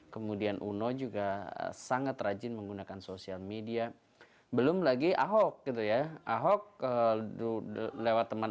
kemudian uno juga sangat rajin menggunakan sosial media belum lagi ahok gitu ya ahok lewat teman